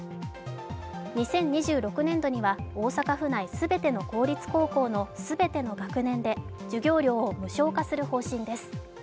２０２６年度には大阪府内全ての公立高校の全ての学年で授業料を無償化する方針です。